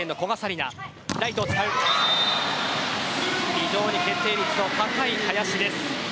非常に決定率の高い林です。